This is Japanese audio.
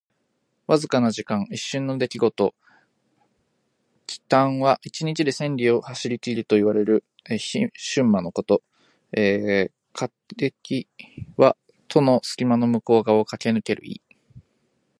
わずかな時間。一瞬の出来事。「騏驥」は一日で千里を走りきるといわれる駿馬のこと。「過隙」は戸の隙間の向こう側をかけぬける意。